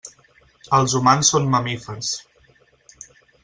Els humans són mamífers.